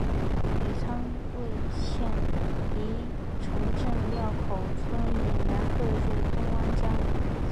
于苍梧县梨埠镇料口村以南汇入东安江。